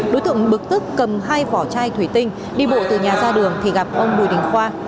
đối tượng bực tức cầm hai vỏ chai thủy tinh đi bộ từ nhà ra đường thì gặp ông bùi đình khoa